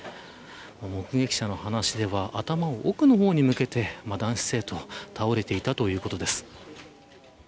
目撃者の話では頭を奥の方に向けて男子生徒が倒れていたということです。